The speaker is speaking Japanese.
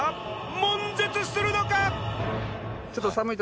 もん絶するのか？